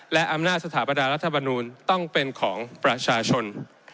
และอำนาจสถาปนารัฐมนูลต้องเป็นของประชาชน